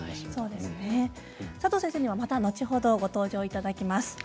佐藤先生にはまた後ほどご登場いただきます。